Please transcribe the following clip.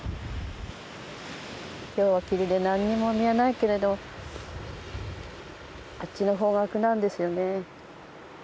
今日は霧で何も見えないけれどあっちの方角なんですよね。